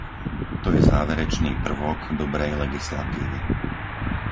To je záverečný prvok dobrej legislatívy.